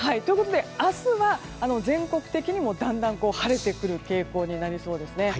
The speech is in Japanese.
明日は、全国的にもだんだん晴れてくる傾向になりそうですね。